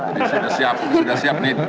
jadi sudah siap sudah siap nih doanya